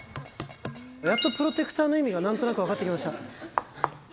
やっとプロテクターの意味が、なんとなく分かってきました。